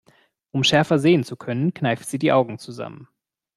Um schärfer sehen zu können, kneift sie die Augen zusammen.